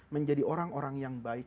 menjadi orang orang yang baik